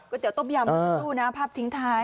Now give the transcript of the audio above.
ก๋วยเตี๋ยวต้มยำดูนะภาพทิ้งท้าย